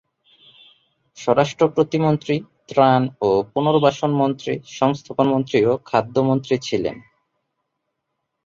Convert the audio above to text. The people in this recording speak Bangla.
স্বরাষ্ট্র প্রতিমন্ত্রী, ত্রাণ ও পুনর্বাসনের মন্ত্রী, সংস্থাপন মন্ত্রী ও খাদ্য মন্ত্রী ছিলেন।